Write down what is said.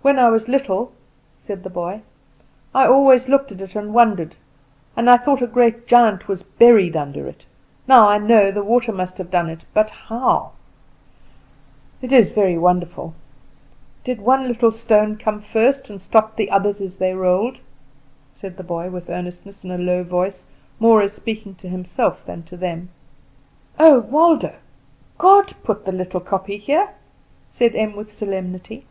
"When I was little," said the boy, "I always looked at it and wondered, and I thought a great giant was buried under it. Now I know the water must have done it; but how? It is very wonderful. Did one little stone come first, and stop the others as they rolled?" said the boy with earnestness, in a low voice, more as speaking to himself than to them. "Oh, Waldo, God put the little kopje here," said Em with solemnity.